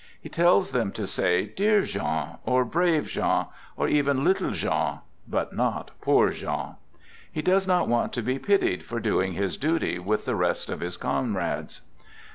He tells them to say " dear Jean," or " brave t Jean," or even " little Jean," but not " poor Jean." jHe does not want to be pitied for doing his duty Jwith the rest of his comrades.